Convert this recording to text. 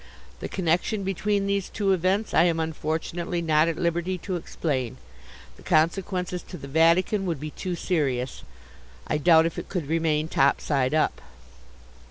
The connection between these two events I am unfortunately not at liberty to explain; the consequences to the Vatican would be too serious. I doubt if it could remain top side up.